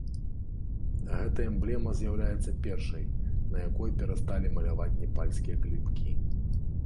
Гэта эмблема з'яўляецца першай, на якой перасталі маляваць непальскія клінкі.